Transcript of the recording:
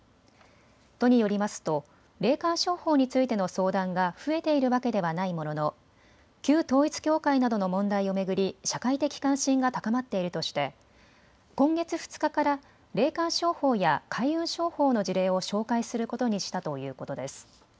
都によりますと霊感商法についての相談が増えているわけではないものの旧統一教会などの問題を巡り社会的関心が高まっているとして今月２日から霊感商法や開運商法の事例を紹介することにしたということです。